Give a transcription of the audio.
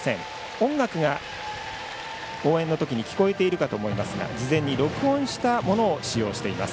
音楽が応援のときに聴こえているかと思いますが事前に録音したものを使用しています。